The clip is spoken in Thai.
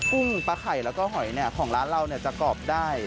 ุ้งปลาไข่แล้วก็หอยของร้านเราจะกรอบได้